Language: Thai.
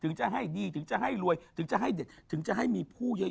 ถึงจะให้ดีถึงจะให้รวยถึงจะให้เด็ดถึงจะให้มีผู้เยอะ